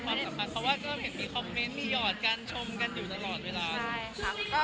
เพราะว่าเขาคิดมีคอมเม้นต์มีหยอดกันชมกันอยู่ตลอดเวลา